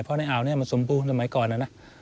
เพราะอาวันเนี่ยมันสมบูรณ์สมัยก่อน